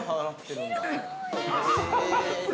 ◆広い。